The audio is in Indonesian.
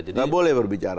tidak boleh berbicara